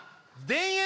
「田園」